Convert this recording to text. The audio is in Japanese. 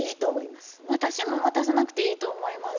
私も渡さなくていいと思います。